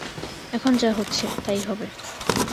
এখন যা হচ্ছে, তাই হবে।